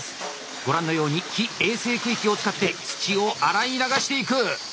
ご覧のように非衛生区域を使って土を洗い流していく。